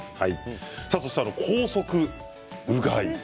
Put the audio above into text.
そして高速うがい。